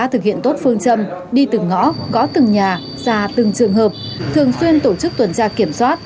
thực hiện tốt phương châm đi từng ngõ gõ từng nhà ra từng trường hợp thường xuyên tổ chức tuần tra kiểm soát